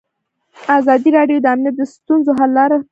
ازادي راډیو د امنیت د ستونزو حل لارې سپارښتنې کړي.